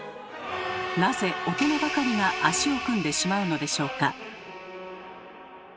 なぜ大人ばかりが足を組んでしまうのでしょうか？